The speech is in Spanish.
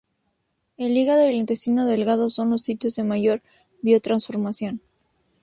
El hígado y el intestino delgado son los sitios de mayor biotransformación.